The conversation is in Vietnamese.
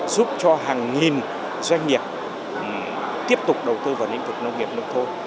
giúp cho hàng nghìn doanh nghiệp tiếp tục đầu tư vào lĩnh vực nông nghiệp nông thôn